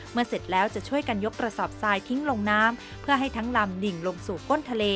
เสร็จแล้วจะช่วยกันยกกระสอบทรายทิ้งลงน้ำเพื่อให้ทั้งลำดิ่งลงสู่ก้นทะเล